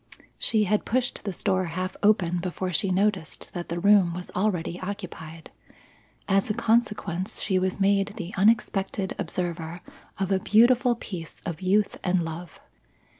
She had pushed this door half open before she noticed that the room was already occupied. As a consequence, she was made the unexpected observer of a beautiful picture of youth and love.